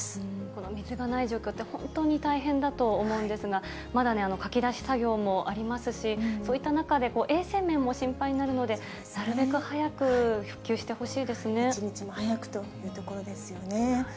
この水がない状況って、本当に大変だと思うんですが、まだ、かき出し作業もありますし、そういった中で衛生面も心配になるので、なるべく早く復旧してほ一日も早くというところですよね。